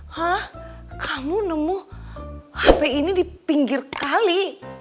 hah kamu nemu hp ini di pinggir kali